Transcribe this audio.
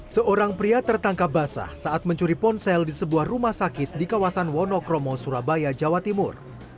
seorang pria tertangkap basah saat mencuri ponsel di sebuah rumah sakit di kawasan wonokromo surabaya jawa timur